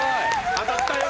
当たったよ！